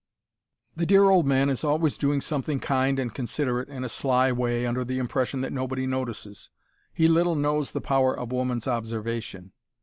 "`The dear old man is always doing something kind and considerate in a sly way, under the impression that nobody notices. He little knows the power of woman's observation!